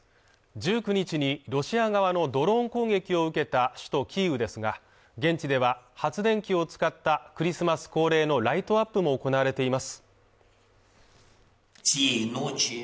１９日にロシア側のドローン攻撃を受けた首都キーウですが現地では発電機を使ったクリスマス恒例のライトアップも行われています